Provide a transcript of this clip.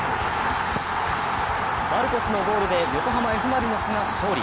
マルコスのゴールで横浜Ｆ・マリノスが勝利。